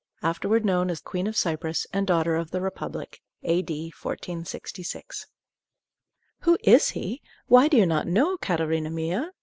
(Afterward known as Queen of Cyprus and "Daughter of the Republic.") A.D. 1466. "Who is he? Why do you not know, Catarina mia?